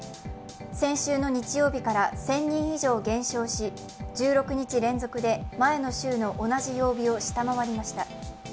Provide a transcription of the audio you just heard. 先週の日曜日から１０００人以上減少し、１６日連続で前の週の同じ曜日を下回りました。